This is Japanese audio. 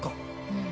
うん。